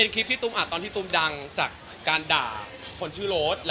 คลิปที่ตูมอัดเมื่อการด่าคนชื่อโรจ